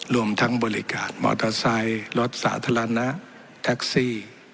รวมทั้งบริการมอเตอร์ไซค์รถสาธารณะแท็กซี่